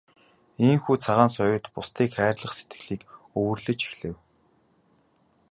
Ийнхүү Цагаан соёот бусдыг хайрлах сэтгэлийг өвөрлөж эхлэв.